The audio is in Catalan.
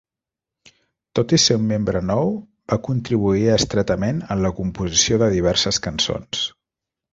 Tot i ser un membre nou, va contribuir estretament en la composició de diverses cançons.